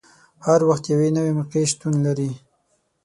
هر وخت یوه نوې موقع شتون لري.